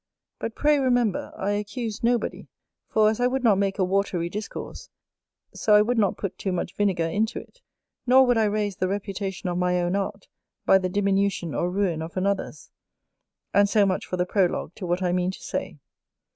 But, pray remember, I accuse nobody; for as I would not make a "watery discourse," so I would not put too much vinegar into it; nor would I raise the reputation of my own art, by the diminution or ruin of another's. And so much for the prologue to what I mean to say.